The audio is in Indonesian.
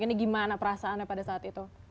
ini gimana perasaannya pada saat itu